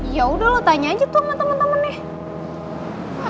yaudah lo tanya aja tuh sama temen temennya